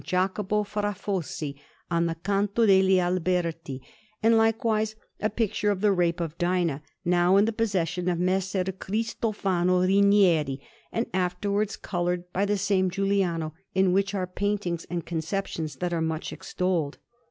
Jacopo fra Fossi, on the Canto degli Alberti; and likewise a picture of the Rape of Dinah, now in the possession of Messer Cristofano Rinieri, and afterwards coloured by the same Giuliano, in which are buildings and conceptions that are much extolled.